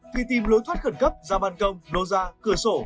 khi tìm lối thoát khẩn cấp ra bàn công lô ra cửa sổ